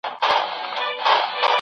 د شهیدانو ورثه وو ته ځمکي ورکول کیدې.